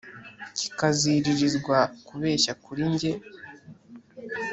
kikaziririzwa kubeshya kurijye”